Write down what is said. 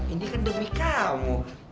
ini kan demi kamu